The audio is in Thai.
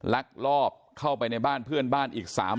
ลักลอบเข้าไปในบ้านเพื่อนบ้านอีก๓คน